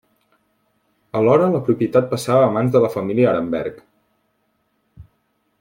Alhora la propietat passava a mans de la família Arenberg.